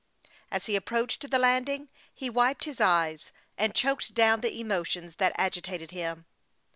As he approached the landing, he wiped his eyes, and choked down the emotions that agitated him.